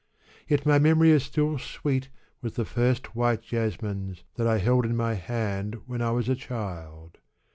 Yet my memory is still sweet with the first white jasmines that I held in my hand when I was a child.